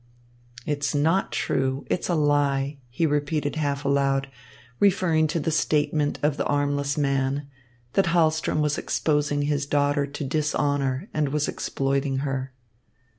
"It's not true. It's a lie," he repeated half aloud, referring to the statement of the armless man, that Hahlström was exposing his daughter to dishonour and was exploiting her.